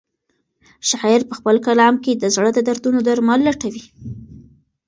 شاعر په خپل کلام کې د زړه د دردونو درمل لټوي.